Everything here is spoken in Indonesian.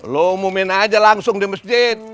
lo ngumumin aja langsung di masjid